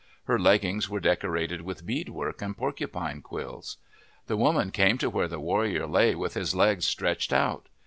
Her leggings were decorated with bead work and porcupine quills. The woman came to where the warrior lay with his legs stretched out.